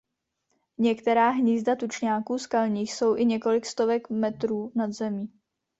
Některá hnízda tučňáků skalních jsou i několik stovek metrů nad mořem.